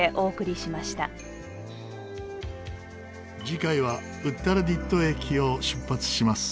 次回はウッタラディット駅を出発します。